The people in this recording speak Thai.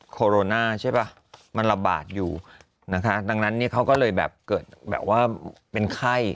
โคโรนาใช่ป่ะมันระบาดอยู่นะคะดังนั้นเนี่ยเขาก็เลยแบบเกิดแบบว่าเป็นไข้